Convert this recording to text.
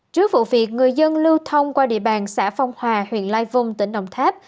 trước vụ việc người dân lưu thông qua địa bàn xã phong hòa huyện lai vung tỉnh đồng tháp